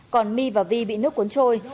còn my và vi bị nước cuốn trôi